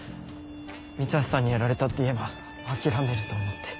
三橋さんにやられたって言えば諦めると思って。